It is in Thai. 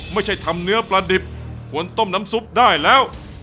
ไม่ใช่ทำเนื้อปลาดิบควรต้มน้ำซุปได้แล้ว